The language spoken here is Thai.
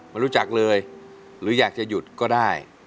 ไม่รู้จักเลยหรืออยากจะหยุดก็ได้